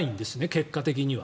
結果的には。